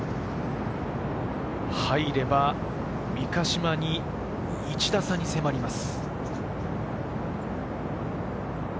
入れば三ヶ島に１打差に迫ります。